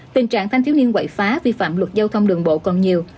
tình trạng thanh thiếu niên quậy phá vi phạm luật giao thông đường bộ còn nhiều